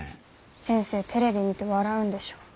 先生テレビ見て笑うんでしょ。